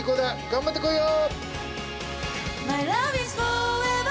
頑張ってこいよ！